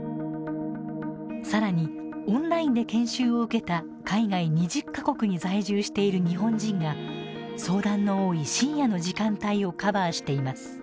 更にオンラインで研修を受けた海外２０か国に在住している日本人が相談の多い深夜の時間帯をカバーしています。